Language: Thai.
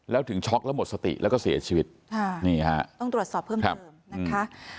แล้วถึงช็อกแล้วหมดสติแล้วก็เสียชีวิตค่ะนี่ฮะต้องตรวจสอบเพิ่มเติมนะคะ